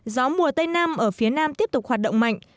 gió mùa tây nam ở phía nam tiếp tục hoạt động mạnh